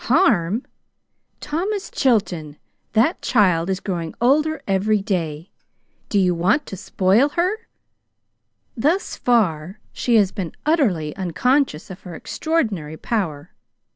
"Harm! Thomas Chilton, that child is growing older every day. Do you want to spoil her? Thus far she has been utterly unconscious of her extraordinary power.